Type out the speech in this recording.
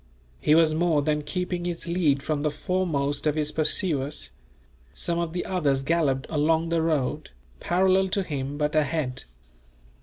He was more than keeping his lead from the foremost of his pursuers Some of the others galloped along the road, parallel to him, but ahead.